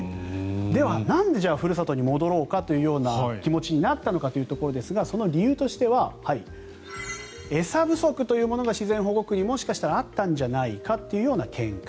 では、なんでふるさとに戻ろうかというような気持ちになったのかということですがその理由としては餌不足というものが自然保護区にもしかしたらあったんじゃないかという見解。